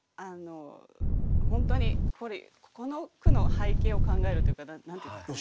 本当にこの句の背景を考えるというか何て言うんですかね。